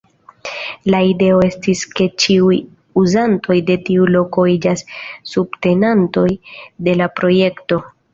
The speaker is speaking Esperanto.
La ideo estis ke ĉiuj uzantoj de tiu loko iĝas subtenantoj de la projekto.